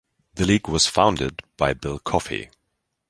The league was founded by Bill Coffey.